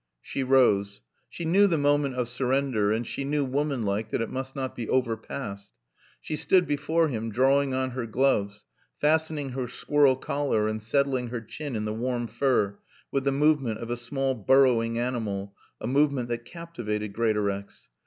She rose. She knew the moment of surrender, and she knew, woman like, that it must not be overpassed. She stood before him, drawing on her gloves, fastening her squirrel collar and settling her chin in the warm fur with the movement of a small burrowing animal, a movement that captivated Greatorex.